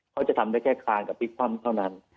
เขาจะทำได้แค่คลานกับพลิกคว่ำเท่านั้น